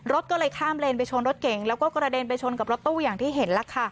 รถก็เลยข้ามเลนไปชนรถเก่งแล้วก็กระเด็นไปชนกับรถตู้อย่างที่เห็นแล้วค่ะ